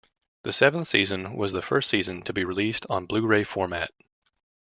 The seventh season was the first season to be released on Blu-ray format.